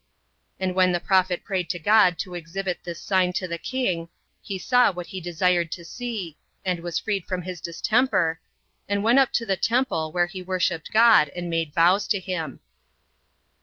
And when the prophet prayed to God to exhibit this sign to the king, he saw what he desired to see, and was freed from his distemper, and went up to the temple, where he worshipped God, and made vows to him.